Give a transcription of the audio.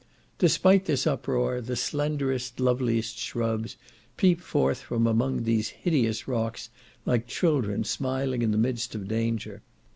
Despite this uproar, the slenderest, loveliest shrubs, peep forth from among these hideous rocks, like children smiling in the midst of danger.